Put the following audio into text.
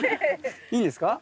いいんですか？